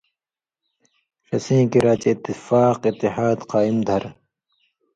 ݜسیں کریا چے اتفاق اتحاد قائم دھرہۡ،